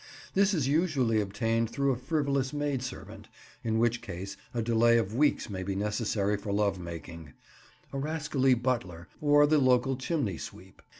This is usually obtained through a frivolous maidservant (in which case a delay of weeks may be necessary for love making), a rascally butler, or the local chimney sweep.